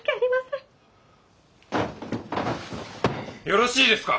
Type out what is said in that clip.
よろしいですか？